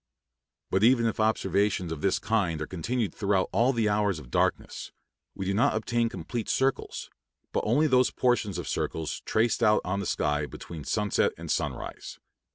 But even if observations of this kind are continued throughout all the hours of darkness, we do not obtain complete circles, but only those portions of circles traced out on the sky between sunset and sunrise.